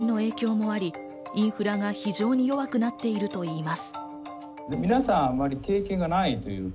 そこに地震の影響もあり、インフラが非常に弱くなってるといいます。